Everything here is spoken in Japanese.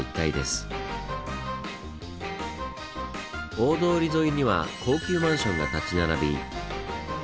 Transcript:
大通り沿いには高級マンションが立ち並び